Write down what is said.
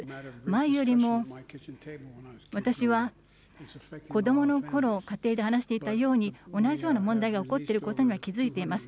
前よりも私は子どものころ、家庭で話していたように、同じような問題が起こっていることには気付いています。